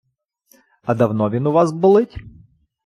А давно він у вас болить?